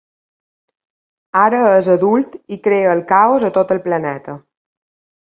Ara és adult i crea el caos a tot el planeta.